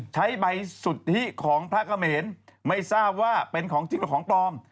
ใช้ใบสุทธิของพระเขมรไม่ทราบว่าเป็นของจริงหรือของปลอม